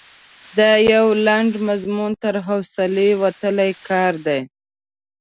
د یو لنډ مضمون تر حوصلې وتلی کار دی.